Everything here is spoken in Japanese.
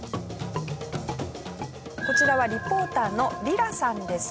こちらはリポーターのリラさんです。